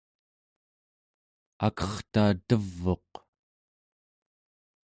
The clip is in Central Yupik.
akerta tev'uq